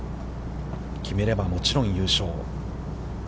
決めれば、もちろん優勝。